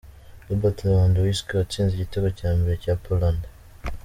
Robert Lewandowski watsinze igitego cya mbere cya Poland